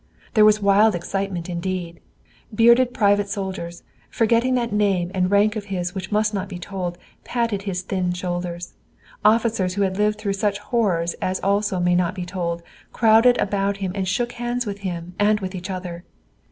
There was wild excitement indeed. Bearded private soldiers, forgetting that name and rank of his which must not be told, patted his thin shoulders. Officers who had lived through such horrors as also may not be told, crowded about him and shook hands with him, and with each other.